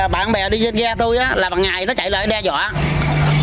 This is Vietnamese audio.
bạn bè đi dân ghe tôi là bằng ngày nó chạy lại đe dọa